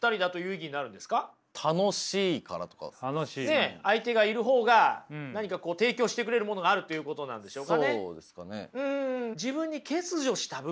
ねえ相手がいる方が何か提供してくれるものがあるっていうことなんでしょうかね？